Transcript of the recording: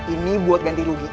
ini buat ganti rugi